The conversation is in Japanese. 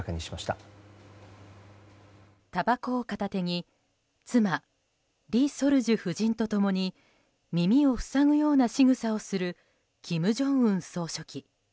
たばこを片手に妻リ・ソルジュ夫人と共に耳を塞ぐようなしぐさをする金正恩総書記。